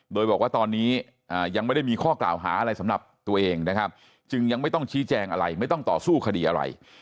โดยบอกว่าตอนนี้ยังไม่ได้มีข้อกล่าวหาอะไรสำหรับตัวเองนะครับจึงยังไม่ต้องชี้แจงอะไรไม่ต้องต่อสู้คดีอะไร